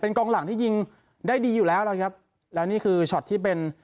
กองหลังที่ยิงได้ดีอยู่แล้วนะครับแล้วนี่คือช็อตที่เป็น